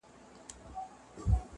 موږ ګناه کار یو چي مو ستا منله-